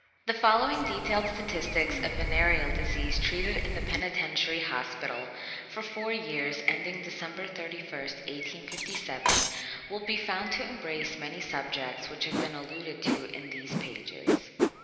The following detailed statistics of venereal disease treated in the Penitentiary Hospital for four years ending December 31, 1857, will be found to embrace many subjects which have been alluded to in these pages.